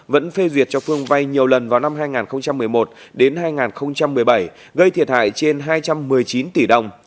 vẫn phê duyệt cho phương vay nhiều lần vào năm hai nghìn một mươi một đến hai nghìn một mươi bảy gây thiệt hại trên hai trăm một mươi chín tỷ đồng